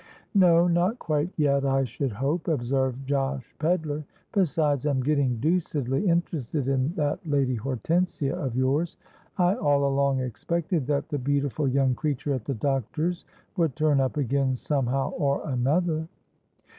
"No—not quite yet, I should hope," observed Josh Pedler. "Besides I'm getting deucedly interested in that Lady Hortensia of your's. I all along expected that the beautiful young creature at the doctor's would turn up again somehow or another."